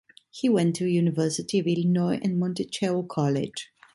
He went to University of Illinois and Monticello College.